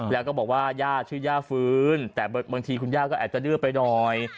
แล้วก็บอกว่าย่าชื่อย่าฟื้นแต่บางทีคุณย่าก็อาจจะดื้อไปหน่อย